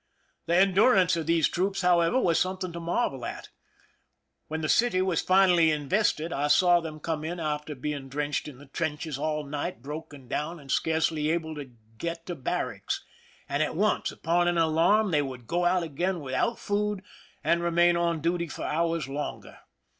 The endurance of these troops, however, was something to marvel at. When the city was finally invested, I saw them come in after being drenched in the trenches all night, broken down, and scarcely able to get to barracks, and at once, upon an alarm, they would go out again without food, and remain on duty for hours longer.